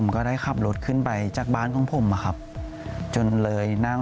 ก็ได้ขับรถขึ้นไปจากบ้านของผมอะครับจนเลยนั่ง